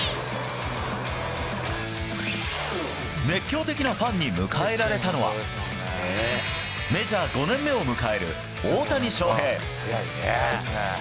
熱狂的なファンに迎えられたのはメジャー５年目を迎える大谷翔平。